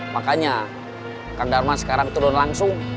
makanya kang dharma sekarang turun langsung